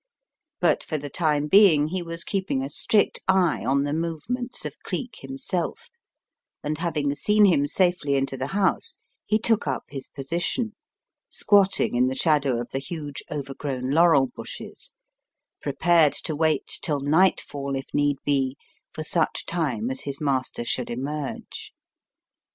But for the time being he was keeping a strict eye on the move ments of Cleek himself, and having seen him safely into the house, he took up his position, squatting in the shadow of the huge overgrown laurel bushes, prepared to wait till nightfall, if need be, for such time as his master should emerge.